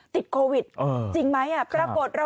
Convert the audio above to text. ติดโควิดจริงไหม